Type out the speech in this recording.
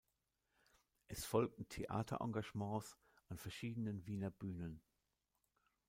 Es folgten Theaterengagements an verschiedenen Wiener Bühnen.